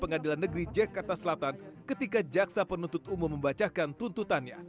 pengadilan negeri jakarta selatan ketika jaksa penuntut umum membacakan tuntutannya